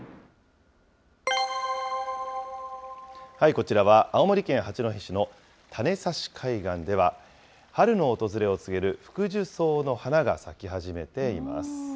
こちらは青森県八戸市の種差海岸では、春の訪れを告げるフクジュソウの花が咲き始めています。